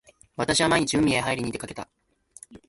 私は毎日海へはいりに出掛けた。